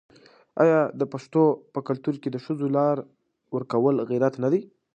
آیا د پښتنو په کلتور کې د ښځو لار ورکول غیرت نه دی؟